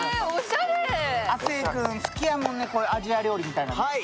亜生君、好きやもんねアジア料理みたいなの。